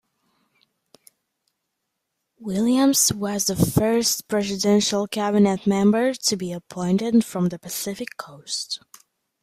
Williams was the first presidential Cabinet member to be appointed from the Pacific Coast.